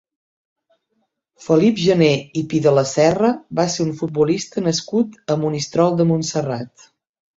Felip Janer i Pidelaserra va ser un futbolista nascut a Monistrol de Montserrat.